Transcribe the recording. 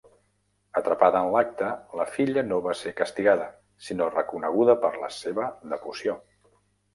Atrapada en l'acte, la filla no va ser castigada, sinó reconeguda per la seva "devoció".